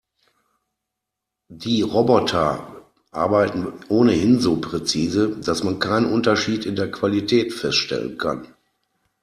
Die Roboter arbeiten ohnehin so präzise, dass man keinen Unterschied in der Qualität feststellen kann.